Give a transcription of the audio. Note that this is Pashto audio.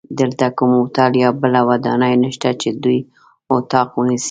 دلته کوم هوټل یا بله ودانۍ نشته چې دوی اتاق ونیسي.